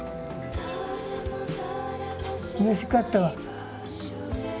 うれしかったわ。